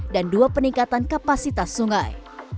dan dua peningkatan kapasitas sungai